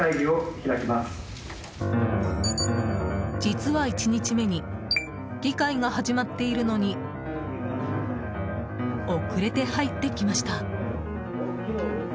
実は、１日目に議会が始まっているのに遅れて入ってきました。